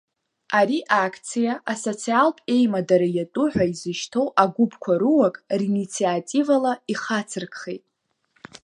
Ари акциа асоциалтә еимадара иатәу, ҳәа изышьҭоу агәыԥқәа руак ринициативала ихацыркхеит.